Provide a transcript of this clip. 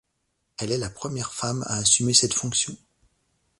Elle est la première femme à assumer cette fonction.